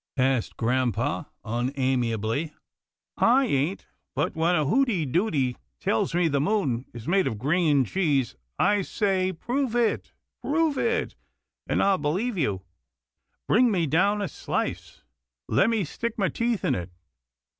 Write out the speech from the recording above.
asked grampa unamiably, " I ain't, but when a hoddy doddy tells me the moon is made of green cheese, I say, ' Prove it, prove it, and ril believe you. Bring me down a slice. Let me stick my teeth in it.